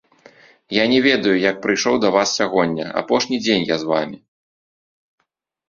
Я не ведаю, як прыйшоў да вас сягоння, апошні дзень я з вамі.